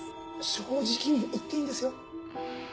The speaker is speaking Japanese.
正直に言っていいんですよ？